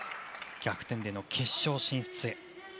逆転での決勝進出へ。